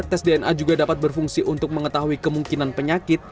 tes dna juga dapat berfungsi untuk mengetahui kemungkinan penyakit